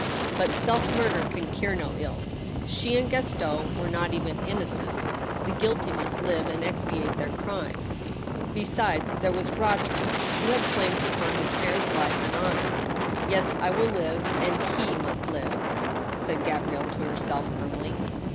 But self murder can cure no ills — ^she and Gaston were not even innocent : the guilty must live and expiate their crimes. Besides, there was Roger, who had claims upon his parents* life and honor. " Yes, I will live, and he must live !" said Gabrielle to herself, firmly.